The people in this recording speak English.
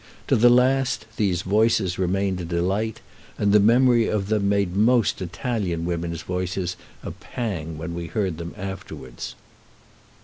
To the last these voices remained a delight, and the memory of them made most Italian women's voices a pang when we heard them afterwards.